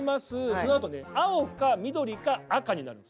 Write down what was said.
そのあとね青か緑か赤になるんですよ。